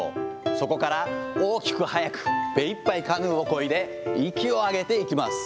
そこから大きく速く、めいっぱいカヌーをこいで、息を上げていきます。